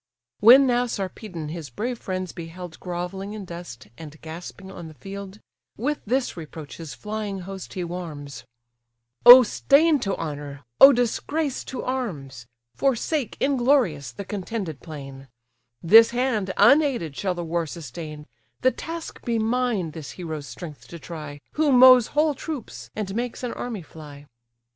When now Sarpedon his brave friends beheld Grovelling in dust, and gasping on the field, With this reproach his flying host he warms: "Oh stain to honour! oh disgrace to arms! Forsake, inglorious, the contended plain; This hand unaided shall the war sustain: The task be mine this hero's strength to try, Who mows whole troops, and makes an army fly."